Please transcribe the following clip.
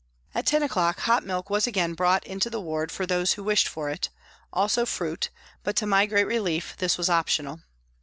At ten o'clock hot milk was again brought into the ward for those who wished for it, also fruit, but, to my great relief , this was optional.